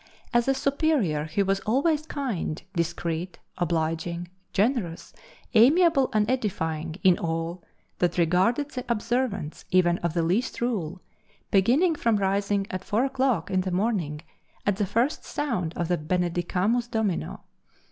As a Superior he was always kind, discreet, obliging, generous, amiable and edifying in all that regarded the observance even of the least rule, beginning from rising at 4 o'clock in the morning at the first sound of the Benedicamus Domino.